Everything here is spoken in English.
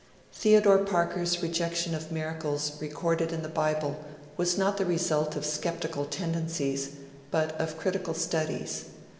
Theodore Parker's rejection of miracles recorded in the Bible was not the result of sceptical tendencies but of critical studies.